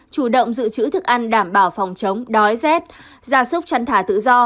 chủ động giữ chữ thức ăn đảm bảo phòng chống đói rét gia súc chăn thả tự do